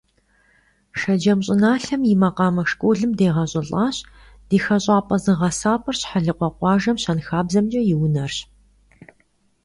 Шэджэм щӀыналъэм и макъамэ школым дегъэщӀылӀащ, ди хэщӀапӀэ-зыгъэсапӀэр Щхьэлыкъуэ къуажэм ЩэнхабзэмкӀэ и унэрщ.